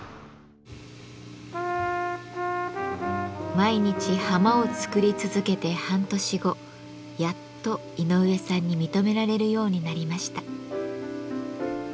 毎日ハマを作り続けて半年後やっと井上さんに認められるようになりました。